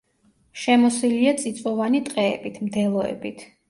შემოსილია წიწვოვანი ტყეებით, მდელოებით.